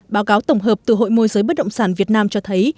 báo cáo tổng hợp từ hội môi giới bất động sản việt nam cho thấy